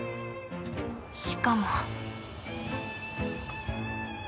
しかも。